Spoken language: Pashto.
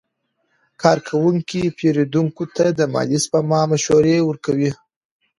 کارکوونکي پیرودونکو ته د مالي سپما مشورې ورکوي.